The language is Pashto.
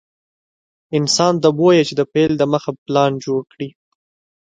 انسان ته بويه چې د پيل دمخه پلان جوړ کړي.